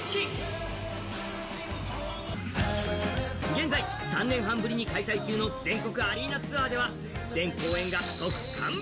現在３年半ぶりに開催中の全国アリーナツアーでは全公演が即完売！